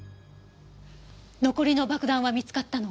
残りの爆弾は見つかったの？